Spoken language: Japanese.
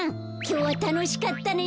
きょうはたのしかったね。